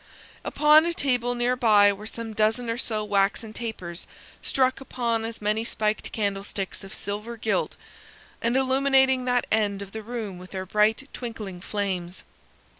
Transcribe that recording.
Upon a table near by were some dozen or so waxen tapers struck upon as many spiked candlesticks of silver gilt, and illuminating that end of the room with their bright twinkling flames.